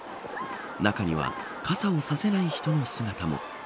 中には傘を差せない人の姿も。